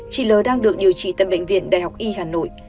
chị l đang được điều trị tại bệnh viện đại học y hà nội